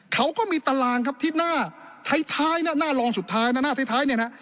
เขาก็มีตารางครับที่หน้าท้ายนะหน้ารองสุดท้ายนะหน้าท้ายเนี่ยนะ